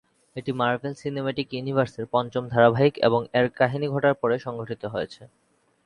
এটি Marvel cinematic ইউনিভার্সের পঞ্চম ধারাবাহিক এবং এর কাহিনী ঘটনার পরে সংঘটিত হয়েছে।